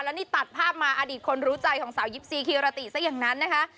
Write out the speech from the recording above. แล้วนี่ตัดภาพมาอดีตคนรู้ใจของสาวยิปซีคิรติซะอย่างนั้นนะคะ